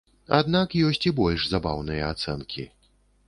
Аднак ёсць і больш забаўныя ацэнкі.